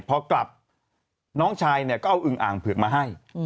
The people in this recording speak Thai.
พอกลับน้องชายเนี่ยก็เอาอึงอ่างเผือกมาให้